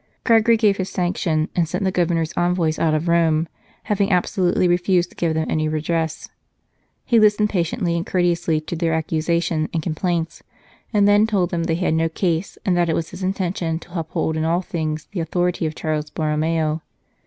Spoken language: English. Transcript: Gregory gave his sanction, and sent the Governor s envoys out of Rome, having abso lutely refused to give them any redress. He listened patiently and courteously to their accusa 182 The Minister of Charles Borromeo tion and complaints, and then told them they had no case, and that it was his intention to uphold in all things the authority of Cardinal Borromeo.